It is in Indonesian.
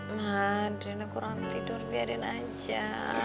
ma daryana kurang tidur biarin aja